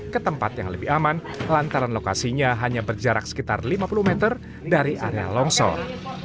ke tempat yang lebih aman lantaran lokasinya hanya berjarak sekitar lima puluh meter dari area longsor